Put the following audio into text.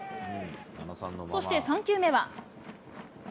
そして３球目は。